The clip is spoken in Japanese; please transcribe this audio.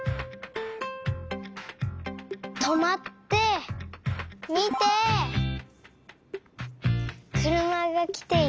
とまってみてくるまがきていたらまつ！